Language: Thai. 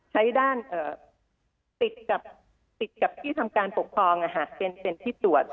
ใช้ด้านติดกับติดกับที่ทำการปกครองเป็นที่ตรวจ